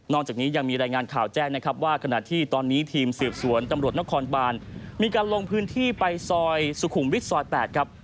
จากนี้ยังมีรายงานข่าวแจ้งนะครับว่าขณะที่ตอนนี้ทีมสืบสวนตำรวจนครบานมีการลงพื้นที่ไปซอยสุขุมวิทย์ซอย๘ครับ